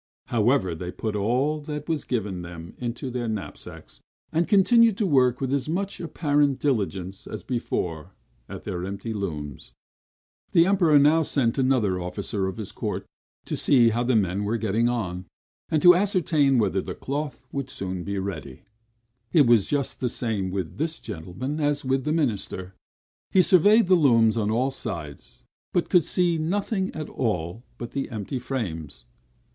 However, they put all that was given them into their knapsacks; and continued to work with as much apparent diligence as before at their empty looms. The Emperor now sent another officer of his court to see how the men were getting on, and to ascertain whether the cloth would soon be ready. It was just the same with this gentleman as with the minister; he surveyed the looms on all sides, but could see nothing at all but the empty frames.